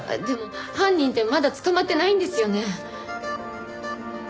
でも犯人ってまだ捕まってないんですよね？